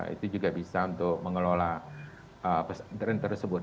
itu juga bisa untuk mengelola pesantren tersebut